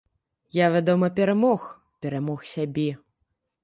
Я, вядома, перамог, перамог сябе.